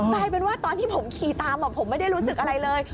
กลายเป็นว่าตอนที่ผมขี่ตามผมไม่ได้รู้สึกอะไรเลย